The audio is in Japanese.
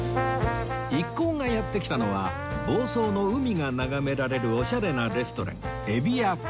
一行がやって来たのは房総の海が眺められるオシャレなレストラン